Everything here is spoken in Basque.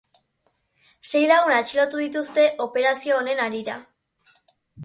Sei lagun atxilotu dituzte operazio honen harira.